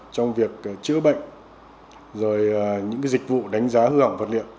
trong việc chữa bệnh rồi những dịch vụ đánh giá hư hỏng vật liệu